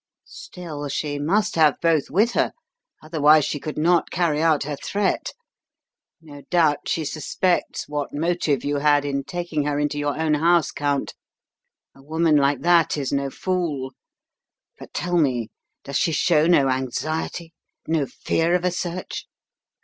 "Still she must have both with her, otherwise she could not carry out her threat. No doubt she suspects what motive you had in taking her into your own house, Count a woman like that is no fool. But tell me, does she show no anxiety, no fear of a search?"